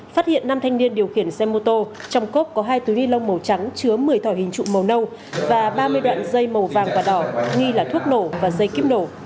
phát hiện năm thanh niên điều khiển xe mô tô trong cốp có hai túi ni lông màu trắng chứa một mươi thỏi hình trụ màu nâu và ba mươi đoạn dây màu vàng và đỏ nghi là thuốc nổ và dây kim nổ